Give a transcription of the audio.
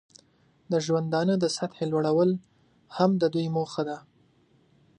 د ژوندانه د سطحې لوړول هم د دوی موخه ده.